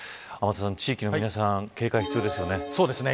地域の皆さん警戒が必要ですよね。